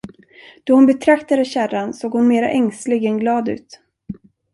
Då hon betraktade kärran, såg hon mera ängslig än glad ut.